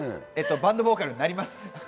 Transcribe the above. バンドボーカルになります。